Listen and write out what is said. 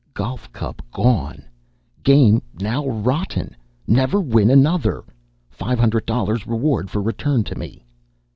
Golf cup gone. Game now rotten: never win another. Five hundred dollars reward for return to me.